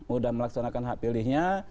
udah melaksanakan hak pilihnya